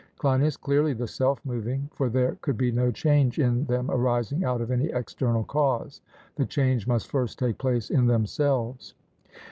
CLEINIAS: Clearly the self moving; for there could be no change in them arising out of any external cause; the change must first take place in themselves.